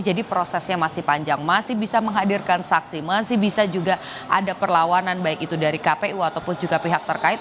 jadi prosesnya masih panjang masih bisa menghadirkan saksi masih bisa juga ada perlawanan baik itu dari kpu ataupun juga pihak terkait